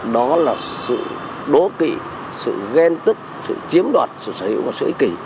đó là sự đố kỵ sự ghen tức sự chiếm đoạt sự sở hữu và sợ ích kỷ